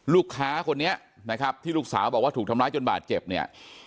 ลูกค้าคนนี้นะครับที่ลูกสาวบอกว่าถูกทำร้ายจนบาดเจ็บเนี่ย